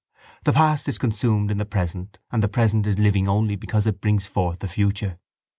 The past is consumed in the present and the present is living only because it brings forth the future.